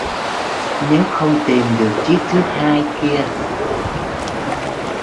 Nếu không tìm được chiếc thứ hai kia!